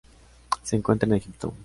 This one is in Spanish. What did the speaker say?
Se encuentra en Egipto.